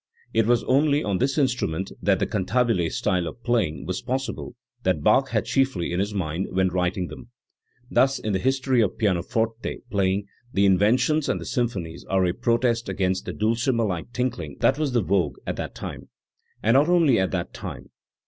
It was only on this instrument that the "cantabile style" of playing was possible that Bach had chiefly in his mind when writing them. Thus in the history of pianoforte playing the Inventions and symphonies are a protest against the dulcimer like tinkling that was the vogue at that time and not only at that time.